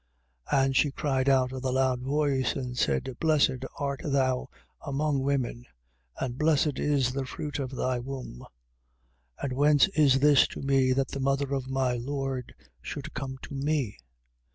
1:42. And she cried out with a loud voice and said: Blessed art thou among women and blessed is the fruit of thy womb. 1:43. And whence is this to me that the mother of my Lord should come to me?